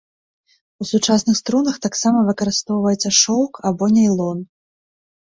У сучасных струнах таксама выкарыстоўваецца шоўк або нейлон.